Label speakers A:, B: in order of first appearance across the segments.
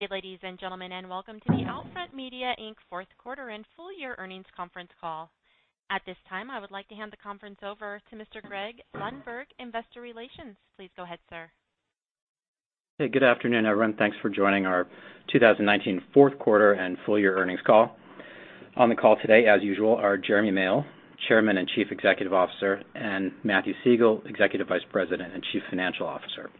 A: Good ladies and gentlemen, welcome to the OUTFRONT Media Inc. fourth quarter and full year earnings conference call. At this time, I would like to hand the conference over to Mr. Greg Lundberg, Senior Vice President, Investor Relations. Please go ahead, sir.
B: Hey. Good afternoon, everyone. Thanks for joining our 2019 fourth quarter and full year earnings call. On the call today, as usual, are Jeremy Male, Chairman and Chief Executive Officer, and Matthew Siegel, Executive Vice President and Chief Financial Officer.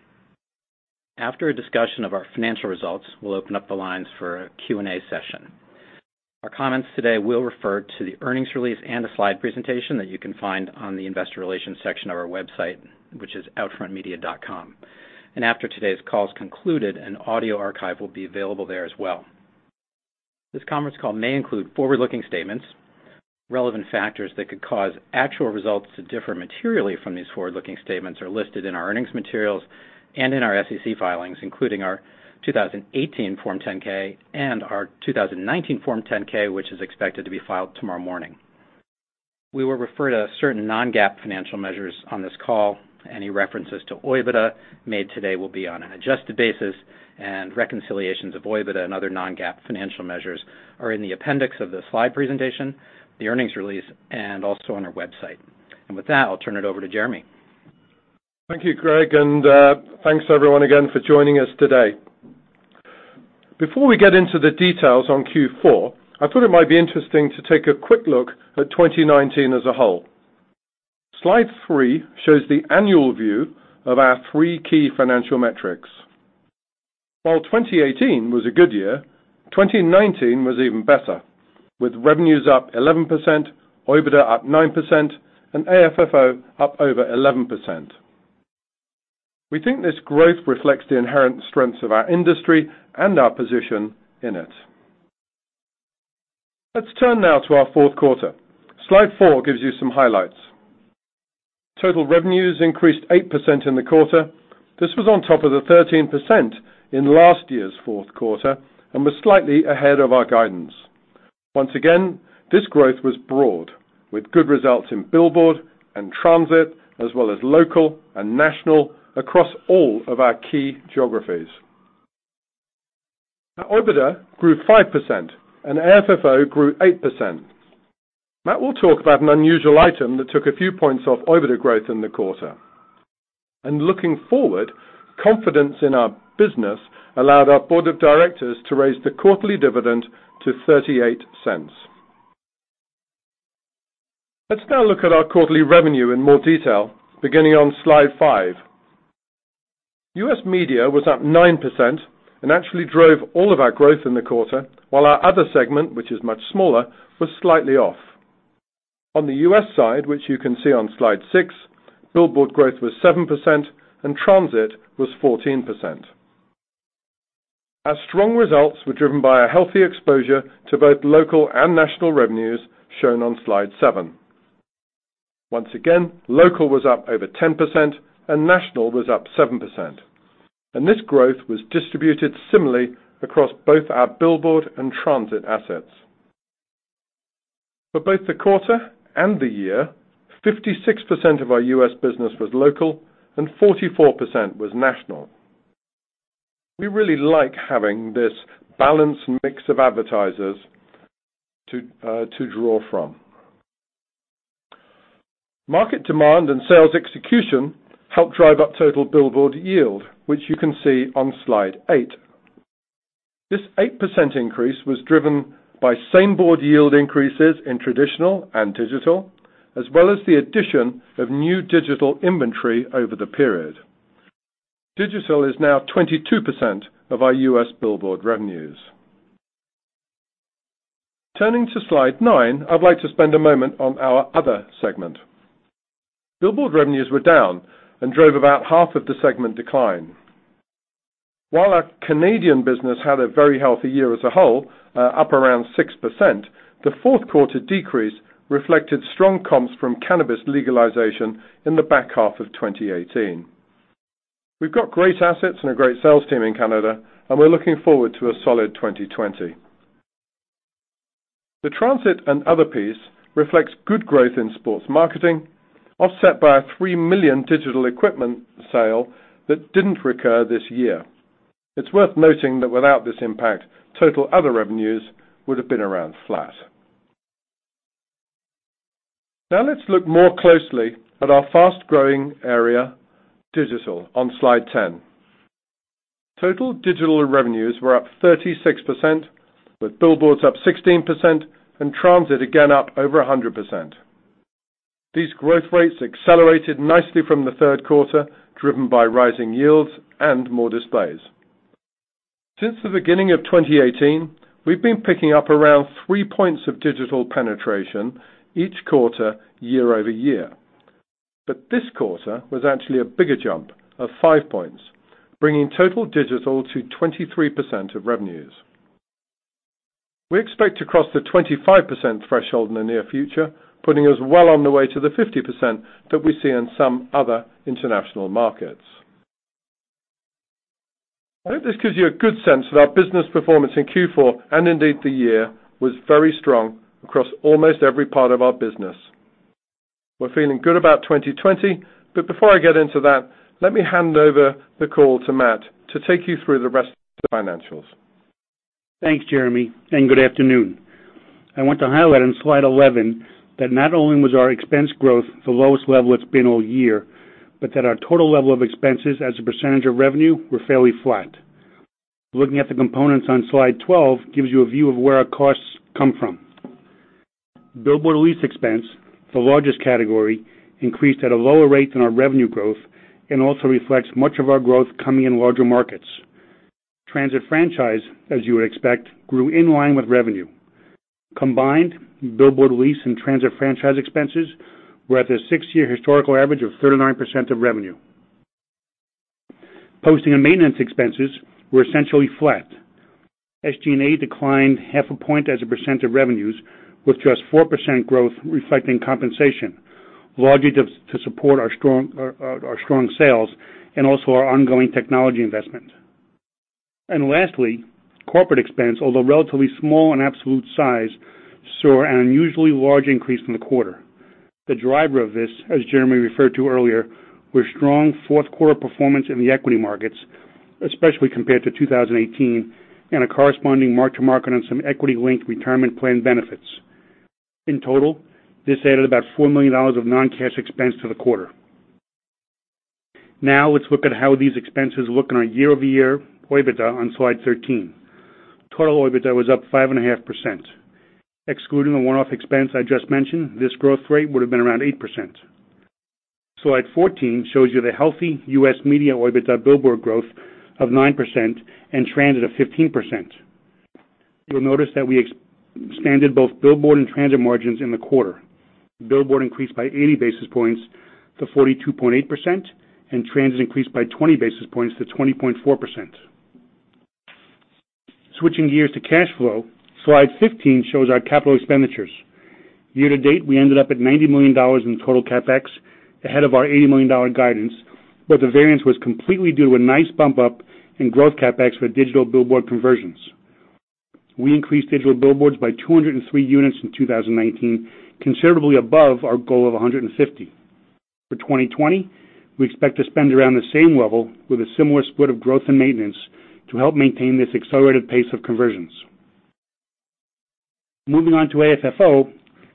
B: After a discussion of our financial results, we'll open up the lines for a Q&A session. Our comments today will refer to the earnings release and a slide presentation that you can find on the investor relations section of our website, which is outfront.com. After today's call's concluded, an audio archive will be available there as well. This conference call may include forward-looking statements. Relevant factors that could cause actual results to differ materially from these forward-looking statements are listed in our earnings materials and in our SEC filings, including our 2018 Form 10-K and our 2019 Form 10-K, which is expected to be filed tomorrow morning. We will refer to certain non-GAAP financial measures on this call. Any references to OIBDA made today will be on an adjusted basis. Reconciliations of OIBDA and other non-GAAP financial measures are in the appendix of the slide presentation, the earnings release, and also on our website. With that, I'll turn it over to Jeremy.
C: Thank you, Greg, and thanks, everyone, again for joining us today. Before we get into the details on Q4, I thought it might be interesting to take a quick look at 2019 as a whole. Slide three shows the annual view of our three key financial metrics. While 2018 was a good year, 2019 was even better, with revenues up 11%, OIBDA up 9%, and AFFO up over 11%. We think this growth reflects the inherent strengths of our industry and our position in it. Let's turn now to our fourth quarter. Slide four gives you some highlights. Total revenues increased 8% in the quarter. This was on top of the 13% in last year's fourth quarter and was slightly ahead of our guidance. Once again, this growth was broad, with good results in billboard and transit, as well as local and national across all of our key geographies. Our OIBDA grew 5%, and AFFO grew 8%. Matt will talk about an unusual item that took a few points off OIBDA growth in the quarter. Looking forward, confidence in our business allowed our board of directors to raise the quarterly dividend to $0.38. Let's now look at our quarterly revenue in more detail, beginning on slide five. U.S. media was up 9% and actually drove all of our growth in the quarter, while our other segment, which is much smaller, was slightly off. On the U.S. side, which you can see on slide six, billboard growth was 7% and transit was 14%. Our strong results were driven by a healthy exposure to both local and national revenues, shown on slide seven. Once again, local was up over 10% and national was up 7%. This growth was distributed similarly across both our billboard and transit assets. For both the quarter and the year, 56% of our U.S. business was local and 44% was national. We really like having this balanced mix of advertisers to draw from. Market demand and sales execution helped drive up total billboard yield, which you can see on slide eight. This 8% increase was driven by same board yield increases in traditional and digital, as well as the addition of new digital inventory over the period. Digital is now 22% of our U.S. billboard revenues. Turning to slide nine, I'd like to spend a moment on our other segment. Billboard revenues were down and drove about half of the segment decline. While our Canadian business had a very healthy year as a whole, up around 6%, the fourth quarter decrease reflected strong comps from cannabis legalization in the back half of 2018. We've got great assets and a great sales team in Canada, and we're looking forward to a solid 2020. The transit and other piece reflects good growth in sports marketing, offset by a $3 million digital equipment sale that didn't recur this year. It's worth noting that without this impact, total other revenues would have been around flat. Let's look more closely at our fast-growing area, digital, on slide 10. Total digital revenues were up 36%, with billboards up 16% and transit again up over 100%. These growth rates accelerated nicely from the third quarter, driven by rising yields and more displays. Since the beginning of 2018, we've been picking up around three points of digital penetration each quarter, year-over-year. This quarter was actually a bigger jump of five points, bringing total digital to 23% of revenues. We expect to cross the 25% threshold in the near future, putting us well on the way to the 50% that we see in some other international markets. I hope this gives you a good sense of our business performance in Q4, and indeed, the year was very strong across almost every part of our business. We're feeling good about 2020. Before I get into that, let me hand over the call to Matt to take you through the rest of the financials.
D: Thanks, Jeremy. Good afternoon. I want to highlight on slide 11 that not only was our expense growth the lowest level it's been all year, but that our total level of expenses as a % of revenue were fairly flat. Looking at the components on slide 12 gives you a view of where our costs come from. Billboard lease expense, the largest category, increased at a lower rate than our revenue growth and also reflects much of our growth coming in larger markets. Transit franchise, as you would expect, grew in line with revenue. Combined billboard lease and transit franchise expenses were at their six-year historical average of 39% of revenue. Posting and maintenance expenses were essentially flat. SG&A declined half a point as a % of revenues, with just 4% growth reflecting compensation, largely to support our strong sales and also our ongoing technology investment. Lastly, corporate expense, although relatively small in absolute size, saw an unusually large increase in the quarter. The driver of this, as Jeremy referred to earlier, was strong fourth quarter performance in the equity markets, especially compared to 2018, and a corresponding mark-to-market on some equity-linked retirement plan benefits. In total, this added about $4 million of non-cash expense to the quarter. Let's look at how these expenses look on our year-over-year OIBDA on slide 13. Total OIBDA was up 5.5%. Excluding the one-off expense I just mentioned, this growth rate would have been around 8%. Slide 14 shows you the healthy U.S. media OIBDA billboard growth of 9% and transit of 15%. You'll notice that we expanded both billboard and transit margins in the quarter. Billboard increased by 80 basis points to 42.8%, and transit increased by 20 basis points to 20.4%. Switching gears to cash flow, slide 15 shows our capital expenditures. Year to date, we ended up at $90 million in total CapEx, ahead of our $80 million guidance, but the variance was completely due to a nice bump up in growth CapEx for digital billboard conversions. We increased digital billboards by 203 units in 2019, considerably above our goal of 150. For 2020, we expect to spend around the same level with a similar split of growth and maintenance to help maintain this accelerated pace of conversions. Moving on to AFFO.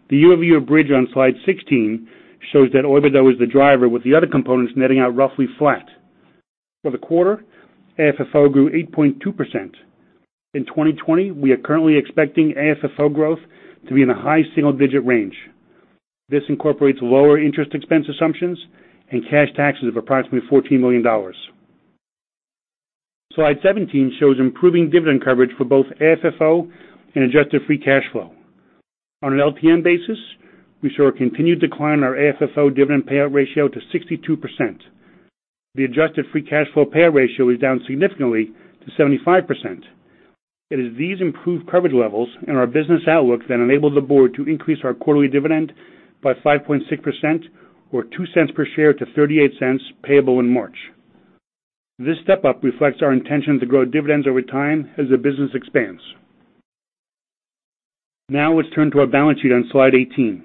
D: The year-over-year bridge on slide 16 shows that OIBDA was the driver with the other components netting out roughly flat. For the quarter, AFFO grew 8.2%. In 2020, we are currently expecting AFFO growth to be in the high single-digit range. This incorporates lower interest expense assumptions and cash taxes of approximately $14 million. Slide 17 shows improving dividend coverage for both AFFO and adjusted free cash flow. On an LTM basis, we show a continued decline in our AFFO dividend payout ratio to 62%. The adjusted free cash flow payout ratio is down significantly to 75%. It is these improved coverage levels and our business outlook that enabled the board to increase our quarterly dividend by 5.6% or $0.02 per share to $0.38 payable in March. This step up reflects our intention to grow dividends over time as the business expands. Now let's turn to our balance sheet on slide 18.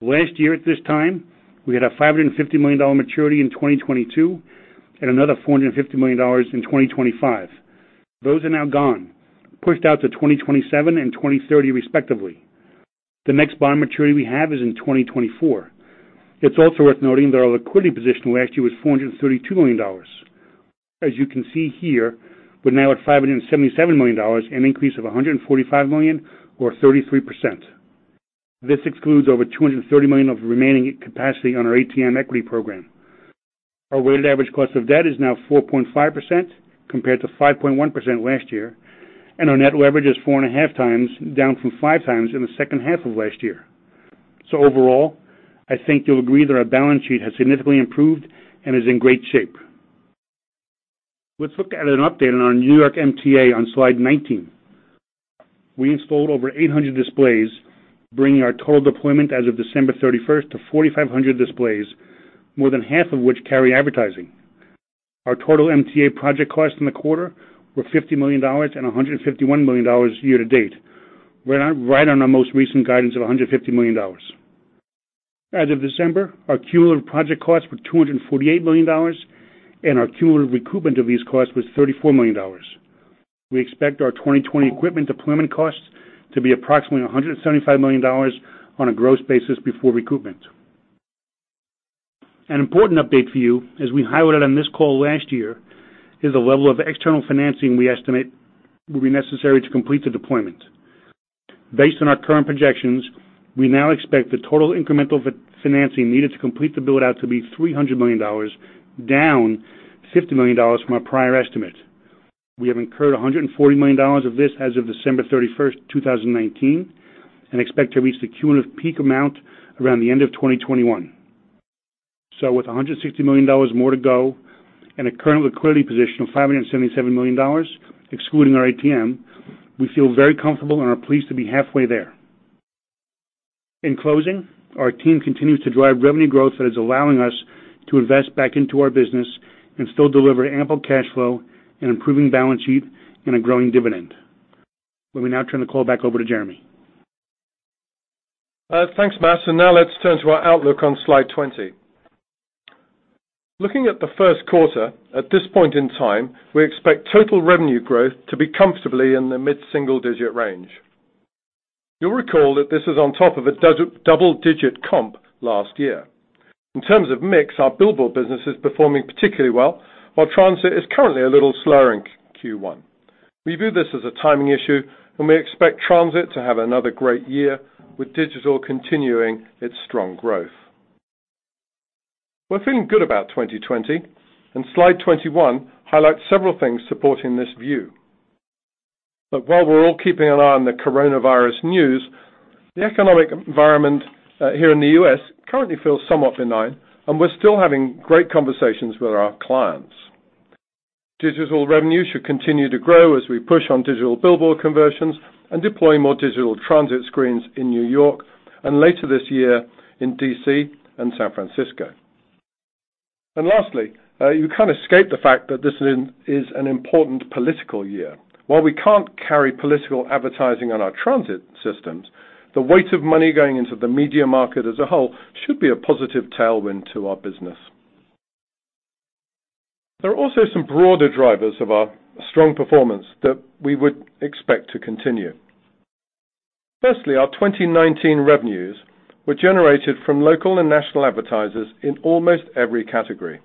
D: Last year at this time, we had a $550 million maturity in 2022 and another $450 million in 2025. Those are now gone, pushed out to 2027 and 2030 respectively. The next bond maturity we have is in 2024. It's also worth noting that our liquidity position last year was $432 million. As you can see here, we're now at $577 million, an increase of $145 million or 33%. This excludes over $230 million of remaining capacity on our ATM equity program. Our weighted average cost of debt is now 4.5% compared to 5.1% last year, and our net leverage is 4.5 times down from five times in the second half of last year. Overall, I think you'll agree that our balance sheet has significantly improved and is in great shape. Let's look at an update on New York MTA on slide 19. We installed over 800 displays, bringing our total deployment as of December 31st to 4,500 displays, more than half of which carry advertising. Our total MTA project costs in the quarter were $50 million and $151 million year-to-date. We're right on our most recent guidance of $150 million. As of December, our cumulative project costs were $248 million and our cumulative recoupment of these costs was $34 million. We expect our 2020 equipment deployment costs to be approximately $175 million on a gross basis before recoupment. An important update for you, as we highlighted on this call last year, is the level of external financing we estimate will be necessary to complete the deployment. Based on our current projections, we now expect the total incremental financing needed to complete the build out to be $300 million, down $50 million from our prior estimate. We have incurred $140 million of this as of December 31st, 2019, and expect to reach the cumulative peak amount around the end of 2021. With $160 million more to go and a current liquidity position of $577 million, excluding our ATM, we feel very comfortable and are pleased to be halfway there. In closing, our team continues to drive revenue growth that is allowing us to invest back into our business and still deliver ample cash flow, an improving balance sheet and a growing dividend. Let me now turn the call back over to Jeremy.
C: Thanks, Matt. Now let's turn to our outlook on slide 20. Looking at the first quarter, at this point in time, we expect total revenue growth to be comfortably in the mid-single digit range. You'll recall that this is on top of a double-digit comp last year. In terms of mix, our billboard business is performing particularly well, while transit is currently a little slower in Q1. We view this as a timing issue, and we expect transit to have another great year, with digital continuing its strong growth. We're feeling good about 2020. Slide 21 highlights several things supporting this view. While we're all keeping an eye on the coronavirus news, the economic environment here in the U.S. currently feels somewhat benign, and we're still having great conversations with our clients. Digital revenue should continue to grow as we push on digital billboard conversions and deploy more digital transit screens in New York, later this year in D.C. and San Francisco. Lastly, you can't escape the fact that this is an important political year. While we can't carry political advertising on our transit systems, the weight of money going into the media market as a whole should be a positive tailwind to our business. There are also some broader drivers of our strong performance that we would expect to continue. Firstly, our 2019 revenues were generated from local and national advertisers in almost every category.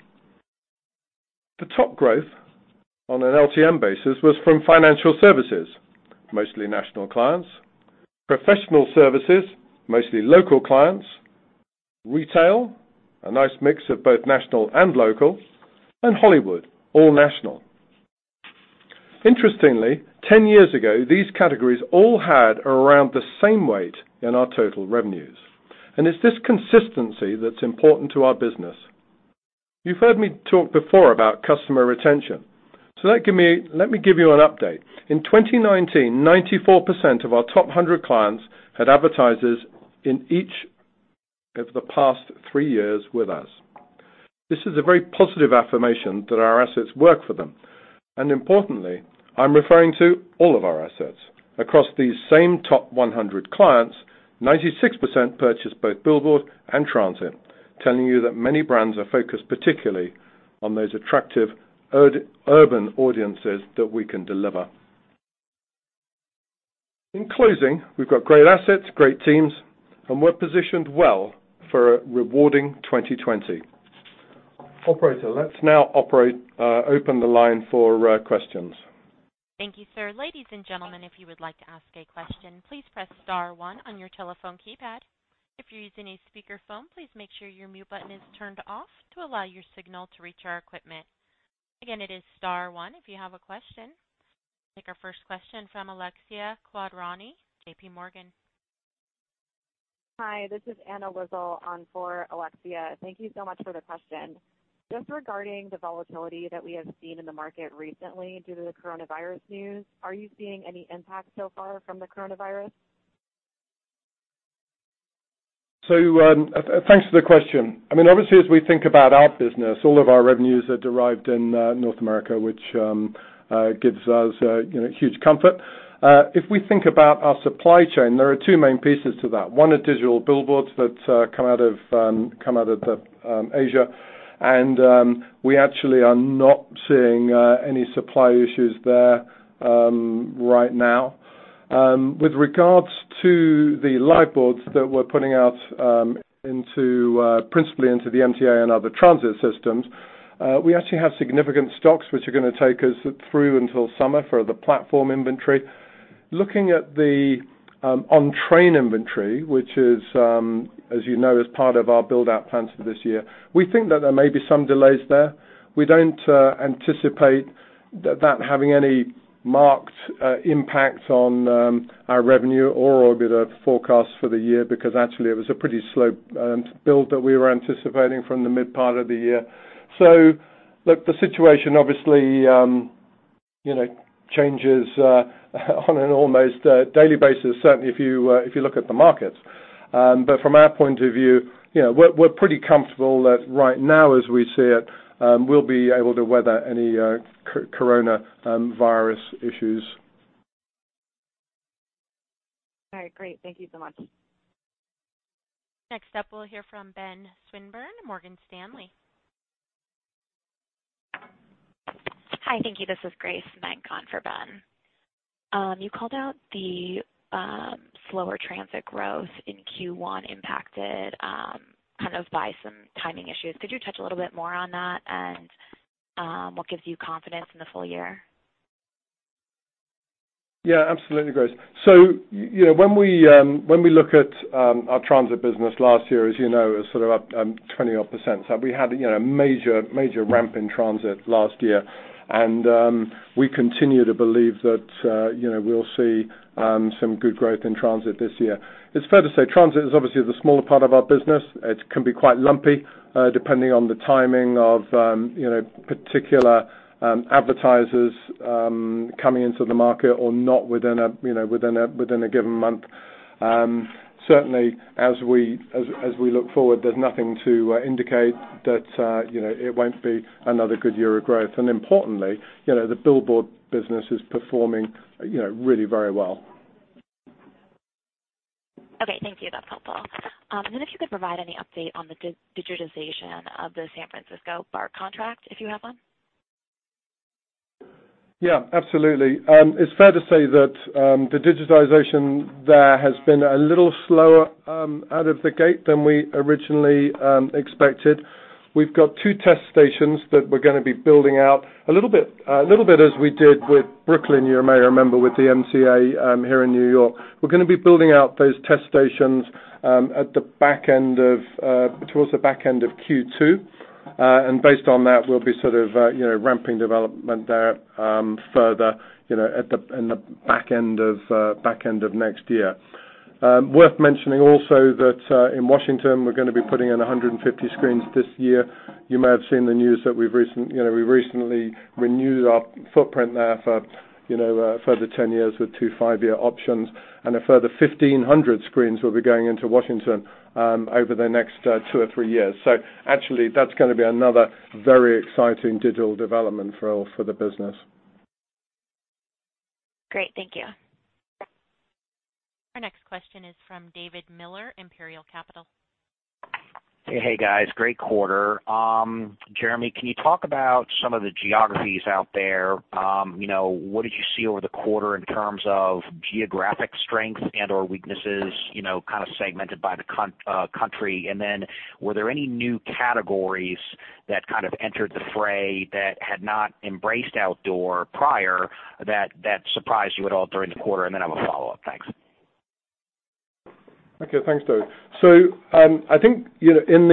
C: The top growth on an LTM basis was from financial services, mostly national clients. Professional services, mostly local clients. Retail, a nice mix of both national and local, and Hollywood, all national. Interestingly, 10 years ago, these categories all had around the same weight in our total revenues. It's this consistency that's important to our business. You've heard me talk before about customer retention. Let me give you an update. In 2019, 94% of our top 100 clients had advertisers in each of the past three years with us. This is a very positive affirmation that our assets work for them. Importantly, I'm referring to all of our assets. Across these same top 100 clients, 96% purchased both billboard and transit, telling you that many brands are focused particularly on those attractive urban audiences that we can deliver. In closing, we've got great assets, great teams, and we're positioned well for a rewarding 2020. Operator, let's now open the line for questions.
A: Thank you, sir. Ladies and gentlemen, if you would like to ask a question, please press star one on your telephone keypad. If you're using a speakerphone, please make sure your mute button is turned off to allow your signal to reach our equipment. Again, it is star one if you have a question. Take our first question from Alexia Quadrani, JPMorgan.
E: Hi, this is Anna Lizzul on for Alexia. Thank you so much for the question. Just regarding the volatility that we have seen in the market recently due to the coronavirus news, are you seeing any impact so far from the coronavirus?
C: Thanks for the question. Obviously, as we think about our business, all of our revenues are derived in North America, which gives us huge comfort. If we think about our supply chain, there are two main pieces to that. One are digital billboards that come out of Asia, and we actually are not seeing any supply issues there right now. With regards to the Liveboards that we're putting out principally into the MTA and other transit systems, we actually have significant stocks, which are going to take us through until summer for the platform inventory. Looking at the on-train inventory, which is as you know, is part of our build-out plans for this year, we think that there may be some delays there. We don't anticipate that having any marked impact on our revenue or our OIBDA forecast for the year, because actually it was a pretty slow build that we were anticipating from the mid part of the year. Look, the situation obviously changes on an almost daily basis, certainly if you look at the markets. From our point of view, we're pretty comfortable that right now as we see it, we'll be able to weather any coronavirus issues.
E: All right, great. Thank you so much.
A: Next up, we'll hear from Benjamin Swinburne, Morgan Stanley.
F: Hi, thank you. This is Grace Menk on for Ben. You called out the slower transit growth in Q1 impacted by some timing issues. Could you touch a little bit more on that and what gives you confidence in the full year?
C: Yeah, absolutely, Grace. When we look at our transit business last year, as you know, it was sort of up odd 20%. We had a major ramp in transit last year, and we continue to believe that we'll see some good growth in transit this year. It's fair to say transit is obviously the smaller part of our business. It can be quite lumpy, depending on the timing of particular advertisers coming into the market or not within a given month. Certainly, as we look forward, there's nothing to indicate that it won't be another good year of growth. Importantly, the billboard business is performing really very well.
F: Okay. Thank you. That's helpful. If you could provide any update on the digitization of the San Francisco BART contract, if you have one?
C: Yeah, absolutely. It's fair to say that the digitization there has been a little slower out of the gate than we originally expected. We've got two test stations that we're going to be building out a little bit as we did with Brooklyn, you may remember, with the MTA here in New York. We're going to be building out those test stations towards the back end of Q2. Based on that, we'll be sort of ramping development there further in the back end of next year. Worth mentioning also that in Washington, we're going to be putting in 150 screens this year. You may have seen the news that we recently renewed our footprint there for a further 10 years with two five-year options, and a further 1,500 screens will be going into Washington over the next two or three years. Actually, that's going to be another very exciting digital development for the business.
F: Great. Thank you.
A: Our next question is from David Miller, Imperial Capital.
G: Hey, guys. Great quarter. Jeremy, can you talk about some of the geographies out there? What did you see over the quarter in terms of geographic strength and/or weaknesses segmented by the country? Were there any new categories that kind of entered the fray that had not embraced outdoor prior that surprised you at all during the quarter? I have a follow-up. Thanks.
C: Okay. Thanks, David. I think in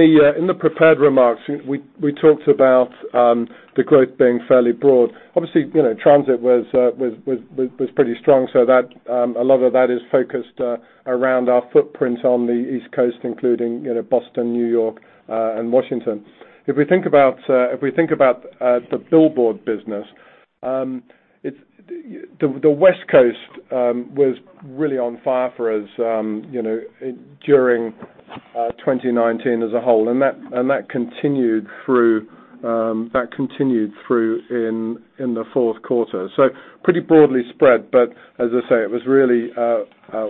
C: the prepared remarks, we talked about the growth being fairly broad. Obviously, transit was pretty strong, a lot of that is focused around our footprint on the East Coast, including Boston, New York, and Washington. If we think about the billboard business, the West Coast was really on fire for us during 2019 as a whole, and that continued through in the fourth quarter. Pretty broadly spread, but as I say, it was really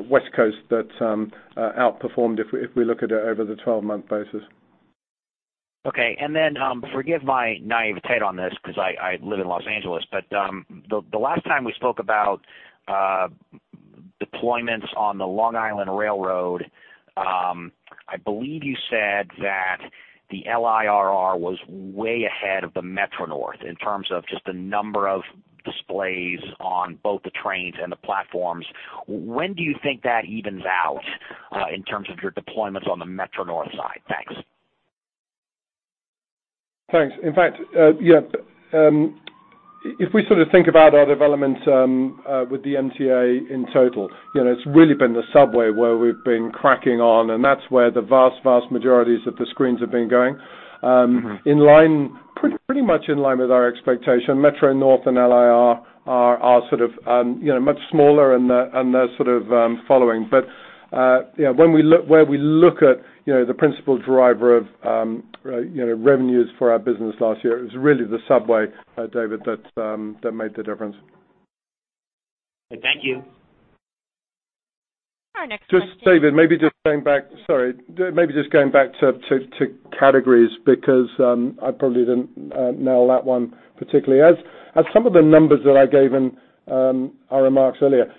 C: West Coast that outperformed if we look at it over the 12-month basis.
G: Okay. Forgive my naivete on this because I live in L.A., but the last time we spoke about deployments on the Long Island Rail Road, I believe you said that the LIRR was way ahead of the Metro-North in terms of just the number of displays on both the trains and the platforms. When do you think that evens out in terms of your deployments on the Metro-North side? Thanks.
C: Thanks. In fact, yeah. If we think about our development with the MTA in total, it's really been the subway where we've been cracking on, and that's where the vast majority of the screens have been going. Pretty much in line with our expectation. Metro-North and LIRR are much smaller, and they're sort of following. Where we look at the principal driver of revenues for our business last year, it was really the subway, David, that made the difference.
G: Thank you.
A: Our next question.
C: Just David, maybe just going back. Sorry. Maybe just going back to categories, because I probably didn't nail that one particularly. As some of the numbers that I gave in our remarks earlier,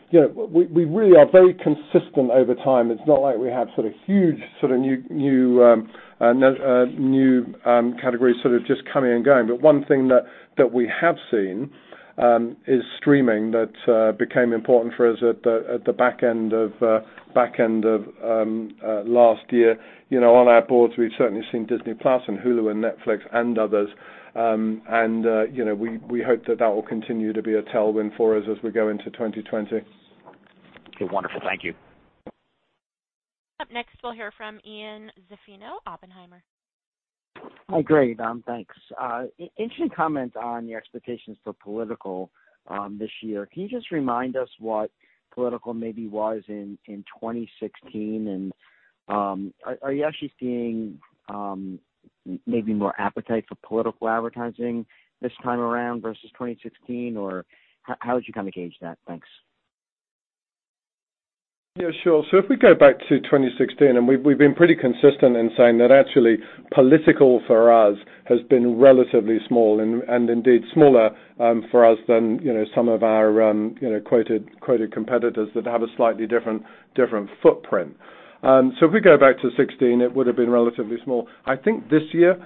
C: we really are very consistent over time. It's not like we have huge new categories just coming and going. One thing that we have seen is streaming that became important for us at the back end of last year. On our boards, we've certainly seen Disney+ and Hulu and Netflix and others. We hope that that will continue to be a tailwind for us as we go into 2020.
G: Wonderful. Thank you.
A: Up next, we'll hear from Ian Zaffino, Oppenheimer.
H: Great. Thanks. Interesting comment on your expectations for political this year. Can you just remind us what political maybe was in 2016? Are you actually seeing maybe more appetite for political advertising this time around versus 2016? How would you gauge that? Thanks.
C: Yeah, sure. If we go back to 2016, and we've been pretty consistent in saying that actually political for us has been relatively small, and indeed smaller for us than some of our quoted competitors that have a slightly different footprint. If we go back to 2016, it would have been relatively small. I think this year,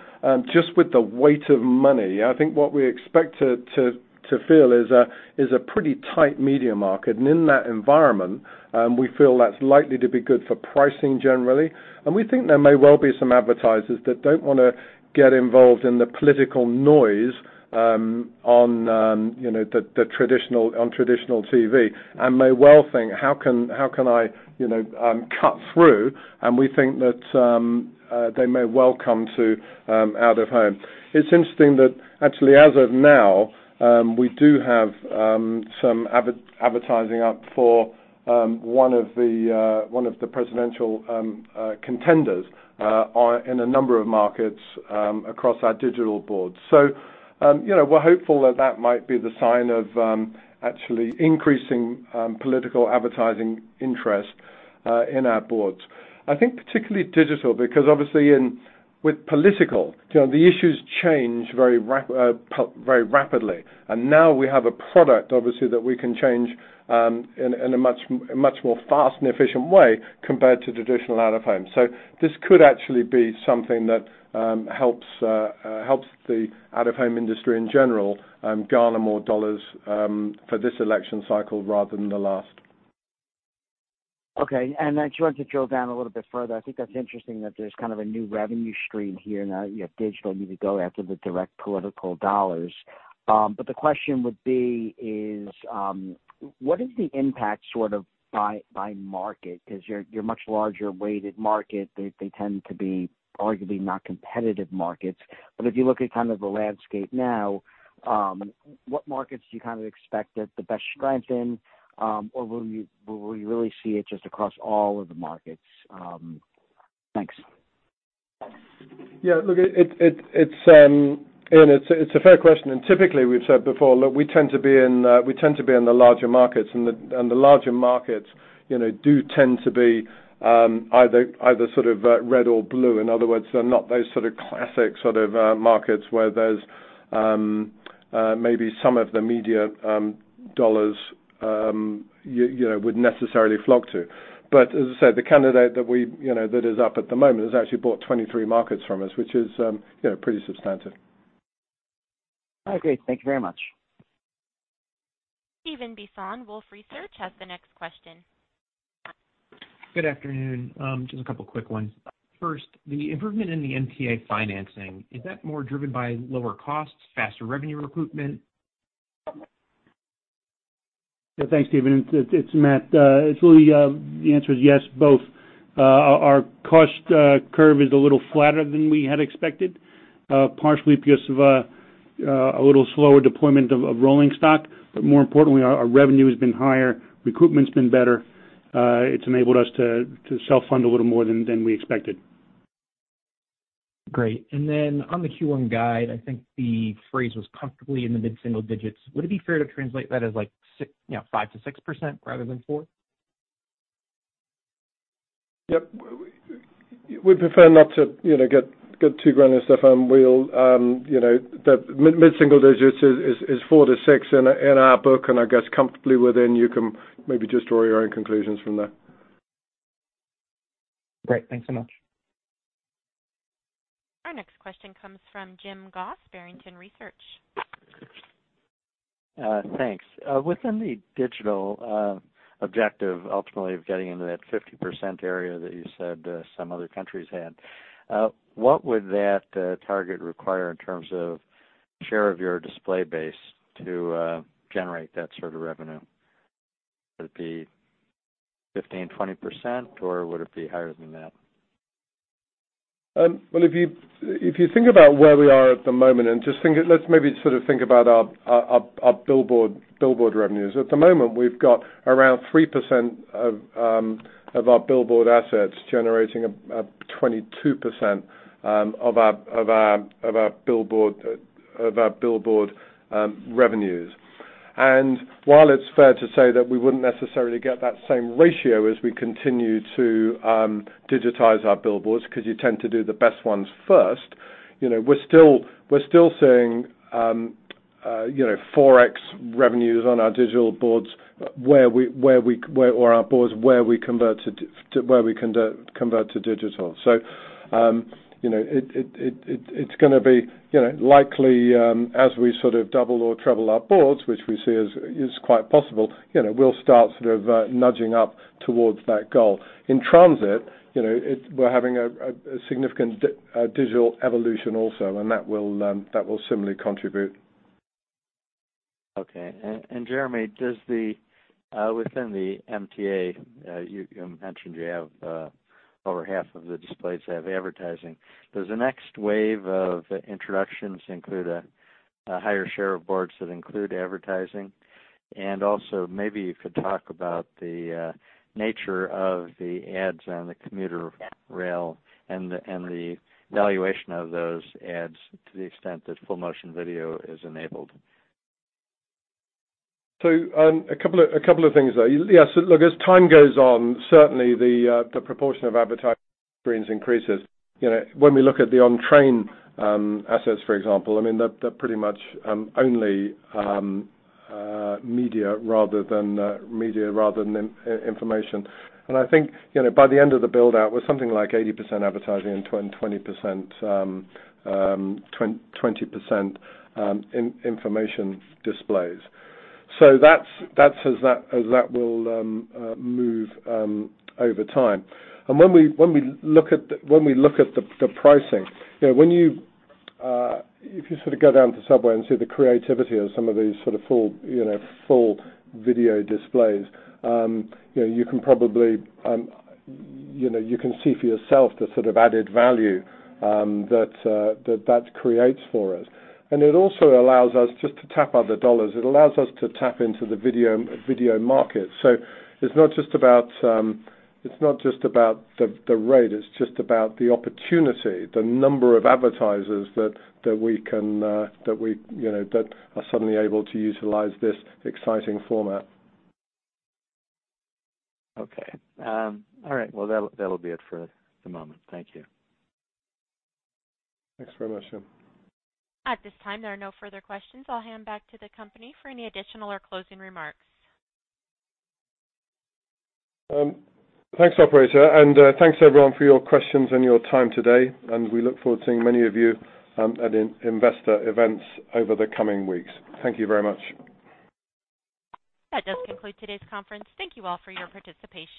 C: just with the weight of money, I think what we expect to feel is a pretty tight media market. In that environment, we feel that's likely to be good for pricing generally. We think there may well be some advertisers that don't want to get involved in the political noise on traditional TV and may well think, "How can I cut through?" We think that they may well come to out-of-home. It's interesting that actually as of now, we do have some advertising up for one of the presidential contenders in a number of markets across our digital boards. We're hopeful that that might be the sign of actually increasing political advertising interest in our boards. I think particularly digital, because obviously with political, the issues change very rapidly. Now we have a product, obviously, that we can change in a much more fast and efficient way compared to traditional out of home. This could actually be something that helps the out-of-home industry in general garner more dollars for this election cycle rather than the last.
H: Okay. I just want to drill down a little bit further. I think that's interesting that there's kind of a new revenue stream here now. You have digital, you could go after the direct political dollars. The question would be is, what is the impact by market? Because your much larger weighted market, they tend to be arguably not competitive markets. If you look at the landscape now, what markets do you expect to have the best strength in? Will you really see it just across all of the markets? Thanks.
C: Look, it's a fair question. Typically, we've said before, look, we tend to be in the larger markets. The larger markets do tend to be either red or blue. In other words, they're not those classic markets where there's maybe some of the media dollars would necessarily flock to. As I said, the candidate that is up at the moment has actually bought 23 markets from us, which is pretty substantive.
H: Okay. Thank you very much.
A: Stephan Bisson, Wolfe Research, has the next question.
I: Good afternoon. Just a couple quick ones. First, the improvement in the MTA financing, is that more driven by lower costs, faster revenue recoupment?
D: Yeah. Thanks, Stephan. It's Matt. It's really, the answer is yes, both. Our cost curve is a little flatter than we had expected, partially because of a little slower deployment of rolling stock. More importantly, our revenue has been higher, recoupment's been better. It's enabled us to self-fund a little more than we expected.
I: Great. On the Q1 guide, I think the phrase was comfortably in the mid-single digits. Would it be fair to translate that as like 5%-6%, rather than 4%?
C: Yep. We prefer not to get too granular, Stephan. Mid-single digits is four to six in our book, and I guess comfortably within, you can maybe just draw your own conclusions from that.
I: Great. Thanks so much.
A: Our next question comes from Jim Goss, Barrington Research.
J: Thanks. Within the digital objective, ultimately, of getting into that 50% area that you said some other countries had, what would that target require in terms of share of your display base to generate that sort of revenue? Would it be 15%, 20%, or would it be higher than that?
C: Well, if you think about where we are at the moment, let's maybe think about our billboard revenues. At the moment, we've got around 3% of our billboard assets generating 22% of our billboard revenues. While it's fair to say that we wouldn't necessarily get that same ratio as we continue to digitize our billboards, because you tend to do the best ones first, we're still seeing 4x revenues on our digital boards or our boards where we convert to digital. It's going to be likely as we double or treble our boards, which we see is quite possible, we'll start nudging up towards that goal. In transit, we're having a significant digital evolution also, that will similarly contribute.
J: Okay. Jeremy, within the MTA, you mentioned you have over half of the displays have advertising. Does the next wave of introductions include a higher share of boards that include advertising? Also, maybe you could talk about the nature of the ads on the commuter rail and the valuation of those ads to the extent that full motion video is enabled.
C: A couple of things there. Yeah, look, as time goes on, certainly the proportion of advertising increases. When we look at the on-train assets, for example, they're pretty much only media rather than information. I think, by the end of the build-out, with something like 80% advertising and 20% information displays. That will move over time. When we look at the pricing, if you go down to Subway and see the creativity of some of these full video displays, you can see for yourself the added value that that creates for us. It also allows us just to tap other dollars. It allows us to tap into the video market. It's not just about the rate, it's just about the opportunity, the number of advertisers that are suddenly able to utilize this exciting format.
J: Okay. All right. Well, that'll be it for the moment. Thank you.
C: Thanks very much, Jim.
A: At this time, there are no further questions. I'll hand back to the company for any additional or closing remarks.
C: Thanks, operator. Thanks, everyone, for your questions and your time today, and we look forward to seeing many of you at investor events over the coming weeks. Thank you very much.
A: That does conclude today's conference. Thank you all for your participation.